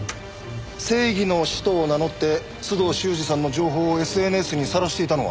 正義の使徒を名乗って須藤修史さんの情報をＳＮＳにさらしていたのは。